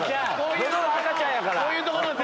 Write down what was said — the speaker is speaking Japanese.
喉が赤ちゃんやから。